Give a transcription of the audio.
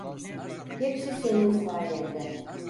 Hepsi senin sayende.